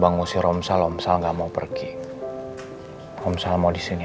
mengapa kita masih harus pergi disciples yang menangis